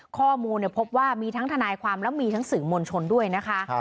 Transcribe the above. ข้อมูลพบว่ามีทั้งทนายความแล้วมีทั้งสื่อมวลชนด้วยนะคะ